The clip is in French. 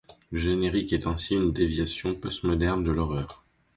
Le générique est ainsi une déviation post-moderne de l'horreur.